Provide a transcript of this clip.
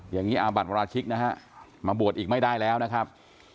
อย่างนี้อาบัติวราชิกนะฮะมาบวชอีกไม่ได้แล้วนะครับ